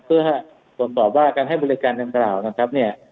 เพื่อส่งต่อว่าการให้บริการเท็นกราวนะครับเนี่ย